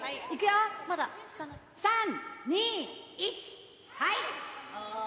３、２、１、はい。